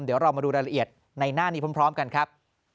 เดี๋ยวเรามาดูรายละเอียดในหน้านี้พร้อมกันครับ